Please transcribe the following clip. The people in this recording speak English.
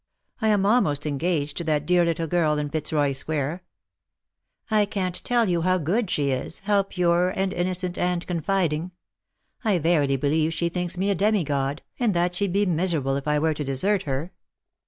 I am almost engaged to that dear little girl in Fitzroy square. I can't tell you how good she is, how pure and innocent and confiding. I verily believe she thinks me a demi god, and that she'd be mise rable if I were to desert her."